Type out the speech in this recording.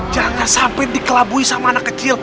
jangan sampai dikelabui sama anak kecil